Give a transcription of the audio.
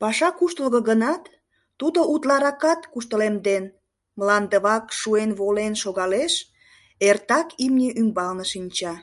Паша куштылго гынат, тудо утларакат куштылемден — мландывак шуэн волен шогалеш, эртак имне ӱмбалне шинча.